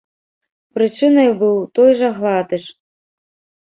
Прычынай быў той жа гладыш.